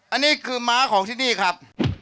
อันนี้คือม้าของที่นี่ครับ